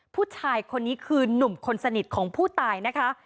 ผู้ชายคนนี้คือนุ่มคนสนิทของผู้ตายนะคะ